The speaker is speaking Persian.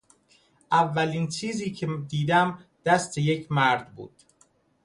اولین چیزی که دیدم دست یک مرد بود.